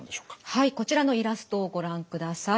はいこちらのイラストをご覧ください。